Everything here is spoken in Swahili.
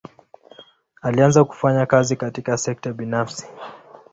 Alianza kufanya kazi katika sekta binafsi.